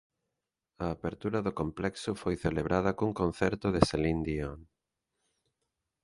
A apertura do complexo foi celebrada cun concerto de Céline Dion.